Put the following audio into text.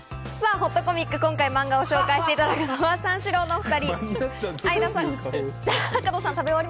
ほっとコミック、今回マンガを紹介していただくのは三四郎のお２人。